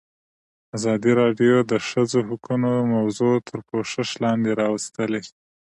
ازادي راډیو د د ښځو حقونه موضوع تر پوښښ لاندې راوستې.